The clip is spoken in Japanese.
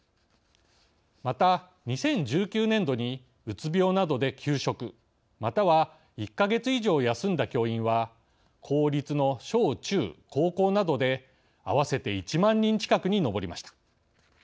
また２０１９年度にうつ病などで休職または１か月以上休んだ教員は公立の小中高校などで合わせて１万人近くに上りました。